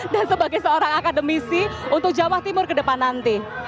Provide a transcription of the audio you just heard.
dan sebagai seorang akademisi untuk jawa timur ke depan nanti